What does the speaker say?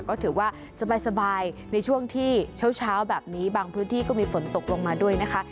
ก็ถือว่าสบายในช่วงที่เช้าแบบนี้บางพื้นที่ก็มีฝนตกลงมาด้วยนะคะ